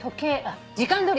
時間どおり。